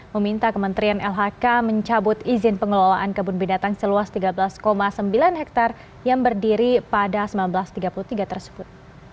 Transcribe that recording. meminta kementerian lhk mencabut izin pengelolaan kebun binatang seluas tiga belas sembilan hektare yang berdiri pada seribu sembilan ratus tiga puluh tiga tersebut